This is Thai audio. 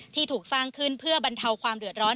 ถูกสร้างขึ้นเพื่อบรรเทาความเดือดร้อน